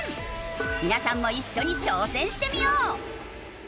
皆さんも一緒に挑戦してみよう。